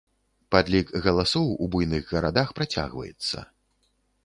Падлік галасоў у буйных гарадах працягваецца.